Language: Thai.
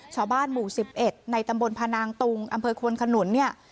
ชาวบ้านหมู่๑๑ในตำบลพนางตุงอำเภอควนขนุนเนี่ย